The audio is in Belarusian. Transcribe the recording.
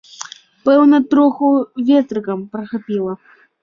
Пэўна, троху ветрыкам прахапіла.